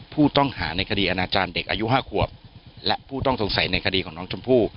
ผู้ต้องหาในคดีอาณาจารย์เด็กอายุ๕ขวบและผู้ต้องสงสัยในคดีของน้องชมพู่